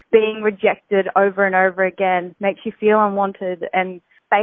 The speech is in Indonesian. dan untuk kita yang menjawab